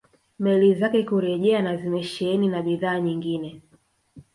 Meli zake kurejea na zimesheheni na bidhaa nyingine